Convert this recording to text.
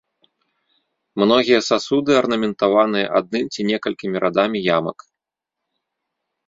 Многія сасуды арнаментаваныя адным ці некалькімі радамі ямак.